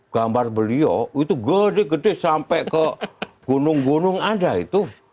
gambar beliau itu gede gede sampai ke gunung gunung ada itu